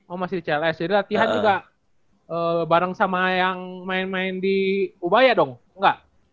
oh masih di cls jadi latihan juga bareng sama yang main main di ubaya dong enggak